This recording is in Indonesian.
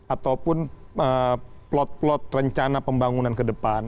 ataupun plot plot rencana pembangunan ke depan